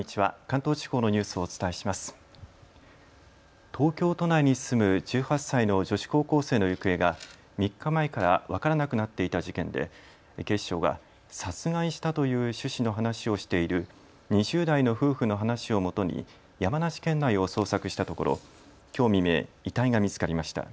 東京都内に住む１８歳の女子高校生の行方が３日前から分からなくなっていた事件で警視庁は殺害したという趣旨の話をしている２０代の夫婦の話をもとに山梨県内を捜索したところきょう未明、遺体が見つかりました。